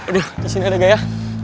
aduh disini ada gaya